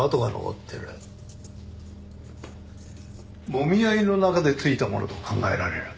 もみ合いの中でついたものと考えられる。